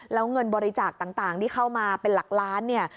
แล้วเงินบริจาคต่างที่เข้ามาเป็นหลักล้านเนี่ย